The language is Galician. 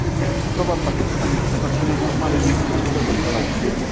Na proba participan equipos nacionais formados por tres pilotos cada un.